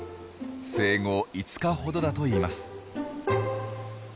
生後５日ほどだといいます。